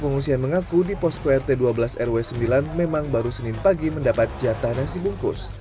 pengurus yang mengaku di posko rt dua belas rw sembilan memang baru senin pagi mendapat jata nasi bukus